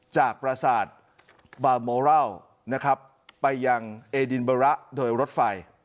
จากปราศาสตร์บาลโมร่าวไปยังเอดินเบอร์ระโดยรถไฟ